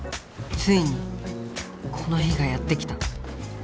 ついにこの日がやって来た。